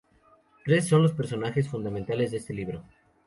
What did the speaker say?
Tres son los personajes fundamentales de este libro.